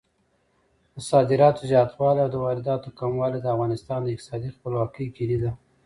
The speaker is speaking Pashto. د صادراتو زیاتوالی او د وارداتو کموالی د افغانستان د اقتصادي خپلواکۍ کیلي ده.